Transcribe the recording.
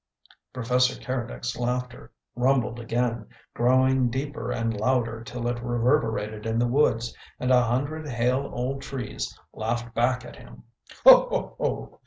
Professor Keredec's laughter rumbled again, growing deeper and louder till it reverberated in the woods and a hundred hale old trees laughed back at him. "Ho, ho, ho!"